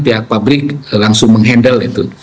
pihak pabrik langsung menghandle itu